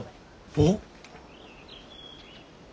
おっ。